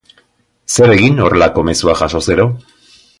Zer egin horrelako mezuak jasoz gero?